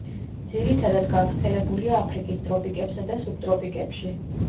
ძირითადად გავრცელებულია აფრიკის ტროპიკებსა და სუბტროპიკებში.